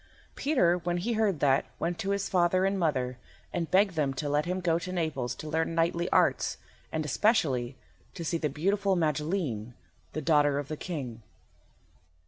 Peter, when he heard that, went to his father and mother, and begged them to let him go to Naples to learn knightly arts, and, especially, to see the beautiful Magilene, the daughter of the King.